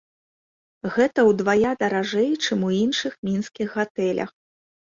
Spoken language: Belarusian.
Гэта ўдвая даражэй, чым у іншых мінскіх гатэлях.